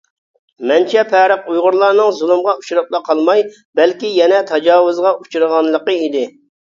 مەنچە پەرق ئۇيغۇرلارنىڭ زۇلۇمغا ئۇچراپلا قالماي، بەلكى يەنە تاجاۋۇزغا ئۇچرىغانلىقى ئىدى.